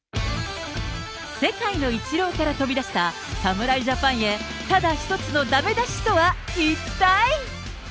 世界のイチローから飛び出した、侍ジャパンへ、ただ一つのだめ出しとは一体？